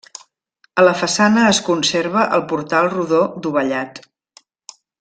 A la façana es conserva el portal rodó dovellat.